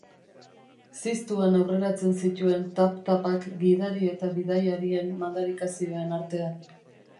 Ziztuan aurreratzen zituen tap-tapak, gidari eta bidaiarien madarikazioen artean.